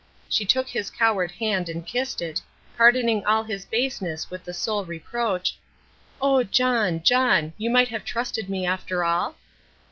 She took his coward hand and kissed it, pardoning all his baseness with the sole reproach, "Oh, John, John, you might have trusted me after all?"